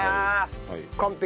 完璧！